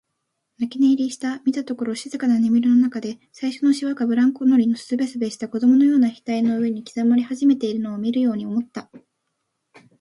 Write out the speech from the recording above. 泣き寝入りした、見たところ静かな眠りのなかで、最初のしわがブランコ乗りのすべすべした子供のような額の上に刻まれ始めているのを見るように思った。